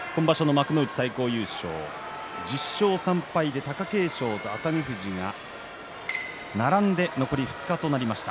幕内最高優勝１０勝３敗で貴景勝と熱海富士が並んで残り２日となりました。